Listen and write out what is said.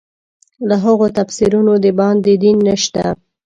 له هغو تفسیرونو د باندې دین نشته.